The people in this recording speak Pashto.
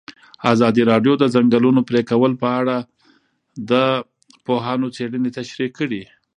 ازادي راډیو د د ځنګلونو پرېکول په اړه د پوهانو څېړنې تشریح کړې.